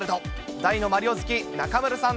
大のマリオ好き、中丸さん